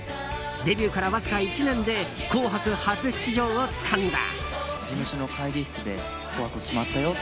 デビューからわずか１年で「紅白」初出場をつかんだ。